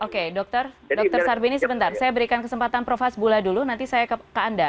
oke dokter sarbini sebentar saya berikan kesempatan prof hasbullah dulu nanti saya ke anda